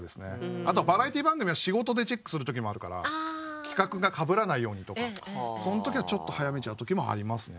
あとはバラエティ番組は仕事でチェックする時もあるから企画がかぶらないようにとかその時はちょっと早めちゃう時もありますね。